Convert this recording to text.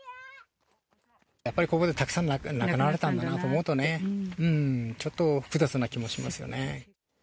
やっぱりここでたくさん亡くなられたんだなと思うとね、ちょっと複雑な気もしますよね。